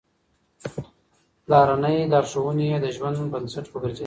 پلارنۍ لارښوونې يې د ژوند بنسټ وګرځېدې.